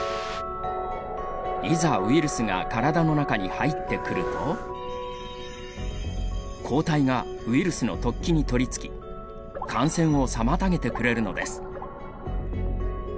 いざウイルスが体の中に入ってくると抗体がウイルスの突起に取りつき感染を妨げてくれるのです。